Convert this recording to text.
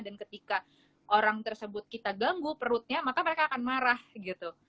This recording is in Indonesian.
dan ketika orang tersebut kita ganggu perutnya maka mereka akan marah gitu